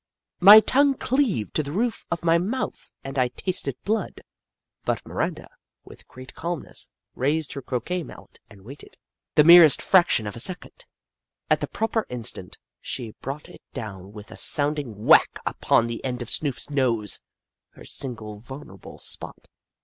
My tongue cleaved to the roof of my mouth and I tasted blood, but Miranda, with great calmness, raised her croquet mallet, and waited, — the merest fraction of a second. At the proper instant, she brought it down with a sounding whack upon the end of Snoof's nose — her single vulnerable spot.